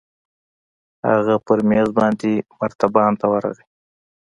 هغه په مېز باندې مرتبان ته ورغى.